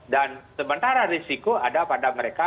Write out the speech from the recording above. dan sementara risiko ada pada mereka